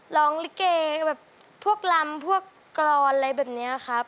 ร้องลิเกแบบพวกลำพวกกรอนอะไรแบบนี้ครับ